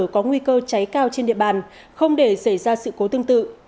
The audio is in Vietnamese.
có nguy cơ cháy cao trên địa bàn không để xảy ra sự cố tương tự